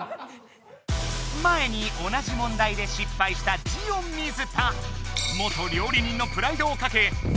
前に同じ問題でしっぱいしたジオ水田。